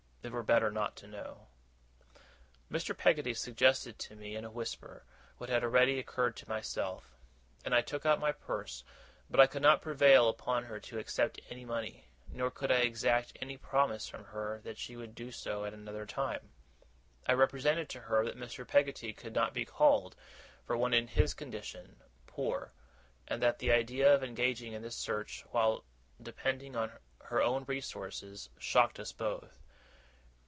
It were better not to know. Mr. Peggotty suggesting to me, in a whisper, what had already occurred to myself, I took out my purse; but I could not prevail upon her to accept any money, nor could I exact any promise from her that she would do so at another time. I represented to her that Mr. Peggotty could not be called, for one in his condition, poor; and that the idea of her engaging in this search, while depending on her own resources, shocked us both.